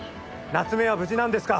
夏目は無事なんですか？